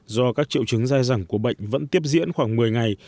do các triệu chứng dai dẳng của bệnh vẫn tiếp diễn khoảng một mươi ngày